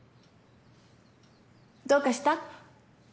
どうかした？